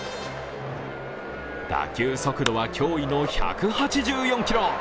打球速度は驚異の１８４キロ。